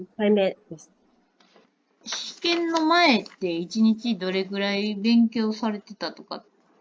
試験の前って、一日、どれくらい勉強されてたとか。